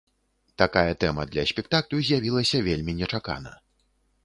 Такая тэма для спектаклю з'явілася вельмі нечакана.